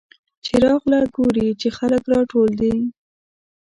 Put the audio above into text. چې راغله ګوري چې خلک راټول دي.